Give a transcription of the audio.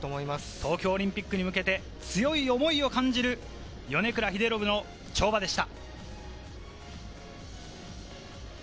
東京オリンピックに向けて強い思いを感じる、米倉英信の跳馬でした。